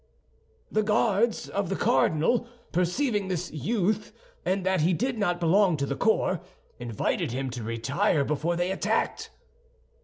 The Guards of the cardinal, perceiving his youth and that he did not belong to the corps, invited him to retire before they attacked."